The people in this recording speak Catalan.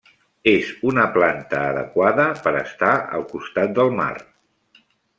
És una planta adequada per estar al costat del mar.